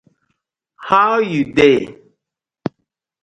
How yu dey?